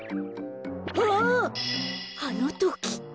あのとき！